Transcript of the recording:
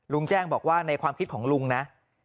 ลุงแจ้งบอกว่าในความคิดของลุงนะ